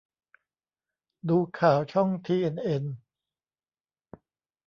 ดูข่าวช่องทีเอ็นเอ็น